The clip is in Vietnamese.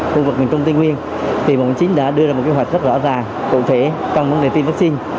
khu vực miền trung tây nguyên thì bộ ngoại chính đã đưa ra một kế hoạch rất rõ ràng cụ thể trong vấn đề tiêm vaccine